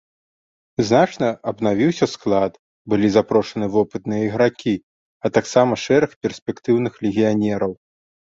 Значна абнавіўся склад, былі запрошаны вопытныя ігракі, а таксама шэраг перспектыўных легіянераў.